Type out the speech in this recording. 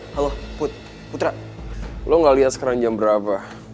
halo putra lo gak lihat sekarang jam berapa